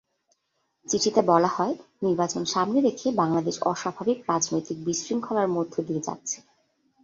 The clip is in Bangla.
চিঠিতে বলা হয়, নির্বাচন সামনে রেখে বাংলাদেশ অস্বাভাবিক রাজনৈতিক বিশৃঙ্খলার মধ্য দিয়ে যাচ্ছে।